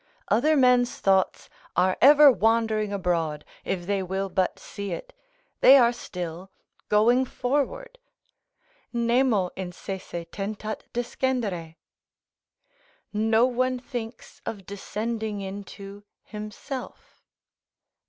Other men's thoughts are ever wandering abroad, if they will but see it; they are still going forward: "Nemo in sese tentat descendere;" ["No one thinks of descending into himself."